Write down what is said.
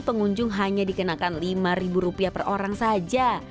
pengunjung hanya dikenakan lima rupiah per orang saja